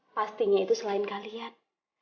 pastinya itu selain kalian